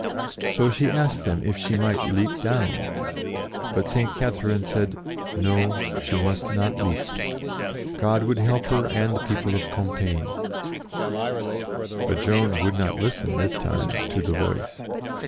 So she asked them if she might leap down, but St. Catherine said, No ; she must not leap. God would help her and the people of Compiegne. But Joan would not listen, this time, to 96 JOAN OF ARC the Voice.